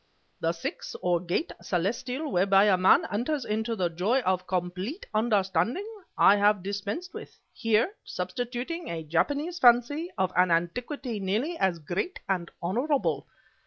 The Sixth, or Gate Celestial whereby a man enters into the joy of Complete Understanding I have dispensed with, here, substituting a Japanese fancy of an antiquity nearly as great and honorable.